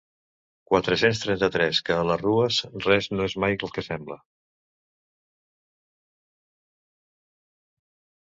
Quatre-cents trenta-tres què a les rues res no és mai el que sembla.